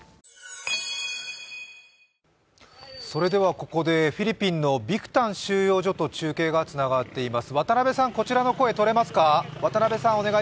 ここでフィリピンのビクタン収容所と中継がつながっています。